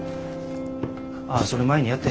ああそれ舞にやって。